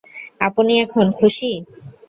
আপনি এখন খুশী?